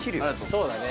そうだね